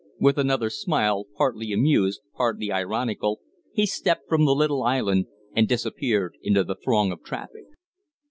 With another smile, partly amused, partly ironical, he stepped from the little island and disappeared into the throng of traffic.